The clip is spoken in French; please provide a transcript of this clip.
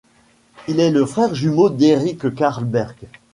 Il est le frère jumeau d'Eric Carlberg.